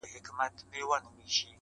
o او د دنيا له لاسه.